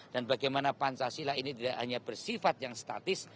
dan bagaimana pancasila ini tidak hanya bersifat yang setara